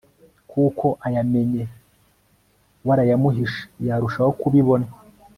kuko ayamenye warayamuhishe yarushaho kubibona